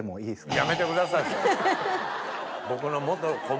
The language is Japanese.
やめてください。